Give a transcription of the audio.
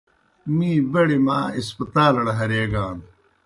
می بَڑیْ ماں ہسپتالَڑ ہریگان۔